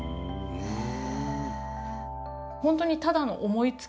へえ！